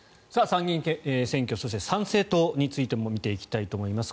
参議院選挙そして参政党についても見ていきたいと思います。